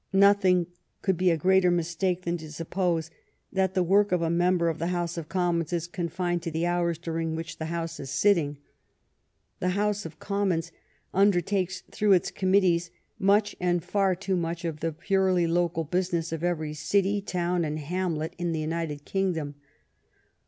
Nothing could be a greater mistake than to suppose that the work of a member of the House of Commons is confined to the hours dur ing which the House is sitting. The House of Commons undertakes through its committees much, and far too much, of the purely local busi ness of every city, town, and hamlet in the United Kingdom.